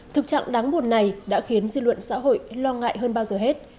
thực trạng đáng buồn này đã khiến dư luận xã hội lo ngại hơn bao giờ hết